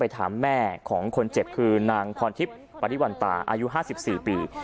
ไอ้พี่แม่ของคนเจ็บคือนางคอนทิพย์วัฒนหญิงป่าติวันตาอายุ๕๔ปี